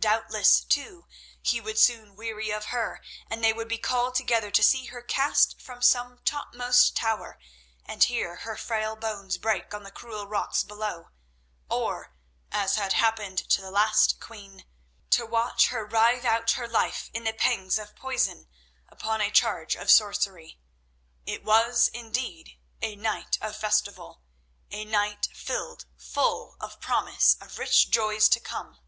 Doubtless, too, he would soon weary of her, and they would be called together to see her cast from some topmost tower and hear her frail bones break on the cruel rocks below, or—as had happened to the last queen—to watch her writhe out her life in the pangs of poison upon a charge of sorcery. It was indeed a night of festival, a night filled full of promise of rich joys to come.